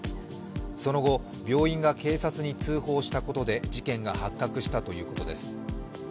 その後、病院が警察に通報したことで事件が発覚したということです。